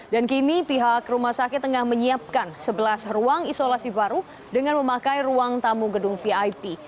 dan kini pihak rumah sakit tengah menyiapkan sebelas ruang isolasi baru dengan memakai ruang tamu gedung vip